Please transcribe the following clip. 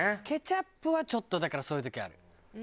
ケチャップはちょっとだからそういう時ある。